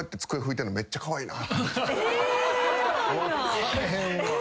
分かれへんわ。